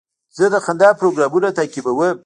زه د خندا پروګرامونه تعقیبوم.